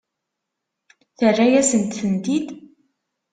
Terra-yasent-tent-id?